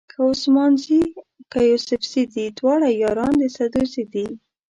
که عثمان زي که یوسفزي دي دواړه یاران د سدوزي دي.